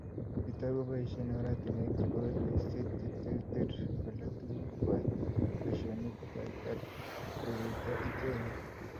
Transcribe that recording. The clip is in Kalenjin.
Chitok koboisye oratinweek chebo loiseet cheterter kolaa tuguuk kwai, boisionik kwai ak koruto icheget.